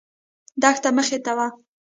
دښته مخې ته وه.